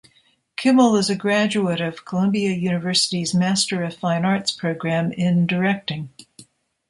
Kimmel is a graduate of Columbia University's Master of Fine Arts program in Directing.